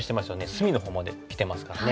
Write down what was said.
隅のほうまできてますからね。